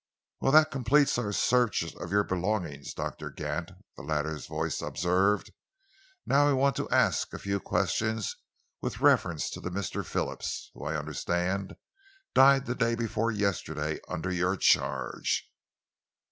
"Well, that completes our search of your belongings, Doctor Gant," the latter's voice observed. "Now I want to ask a few questions with reference to the Mr. Phillips who I understand died the day before yesterday under your charge."